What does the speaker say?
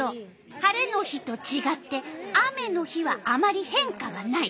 晴れの日とちがって雨の日はあまり変化がない。